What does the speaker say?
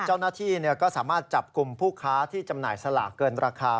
เจ้าหน้าที่ก็สามารถจับกลุ่มผู้ค้าที่จำหน่ายสลากเกินราคา